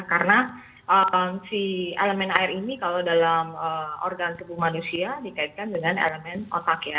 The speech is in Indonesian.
karena si elemen air ini kalau dalam organ tubuh manusia dikaitkan dengan elemen otak ya